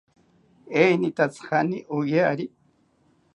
¿Enitatzi jaani oyari?